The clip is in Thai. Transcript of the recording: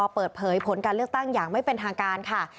เปิดเผยผลการเลือกตั้งอย่างไม่เป็นทางการค่ะ